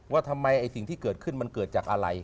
ว่าทำไมไอ้สิ่งที่เกิดขึ้นมันเกิดจากอะไร